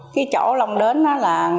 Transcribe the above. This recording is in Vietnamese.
cái chỗ long đến đó là